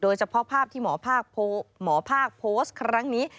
เฉพาะภาพที่หมอภาคโพสต์ครั้งนี้